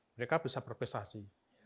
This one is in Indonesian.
mereka bisa berprestasi